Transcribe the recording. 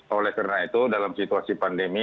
oleh karena itu dalam situasi pandemi